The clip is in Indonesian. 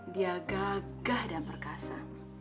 dia gagah dan berkasa